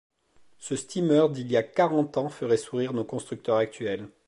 Ce steamer d’il y a quarante ans ferait sourire nos constructeurs actuels.